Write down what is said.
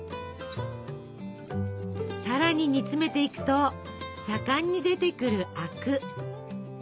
さらに煮つめていくと盛んに出てくるあく。